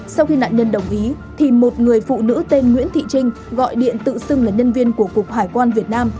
sau khi nạn nhân đồng ý thì một người phụ nữ tên nguyễn thị trinh gọi điện tự xưng là nhân viên của cục hải quan việt nam